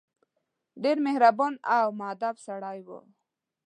ډېر مهربان او موءدب سړی وو.